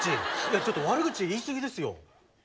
ちょっと悪口言いすぎですよ。え？